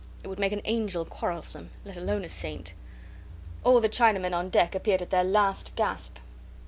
It would make an angel quarrelsome let alone a saint." All the Chinamen on deck appeared at their last gasp.